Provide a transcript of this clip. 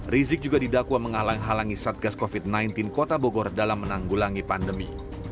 rizik juga didakwa menghalang halangi satgas covid sembilan belas kota bogor dalam menanggulangi pandemi